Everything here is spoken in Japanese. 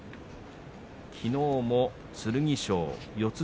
きのうも剣翔、四つ